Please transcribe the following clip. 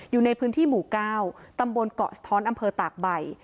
อยู่ในพื้นที่หมู่๙ตำบลเกาะสะท้อนอำเภอตากใบ